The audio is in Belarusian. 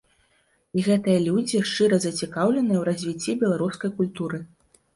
І гэтыя людзі шчыра зацікаўленыя ў развіцці беларускай культуры.